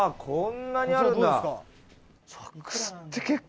こんなにあるんだ！」